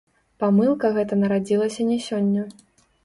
Памылка гэта нарадзілася не сёння.